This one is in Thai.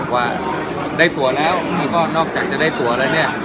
ว่าได้ตัวแล้วนี่ก็นอกจากจะได้ตัวแล้วเนี่ย